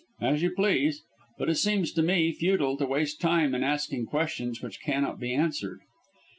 "As you please. But it seems to me futile to waste time in asking questions which cannot be answered."